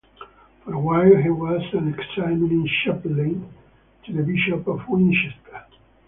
For a while, he was an examining chaplain to the Bishop of Winchester.